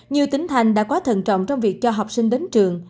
nhiều tỉnh thành đã quá thần trọng trong việc cho học sinh đến trường